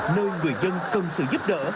nơi người dân cần sự giúp đỡ